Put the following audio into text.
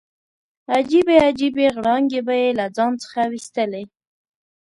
عجیبې عجیبې غړانګې به یې له ځان څخه ویستلې.